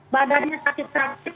badannya sakit traktif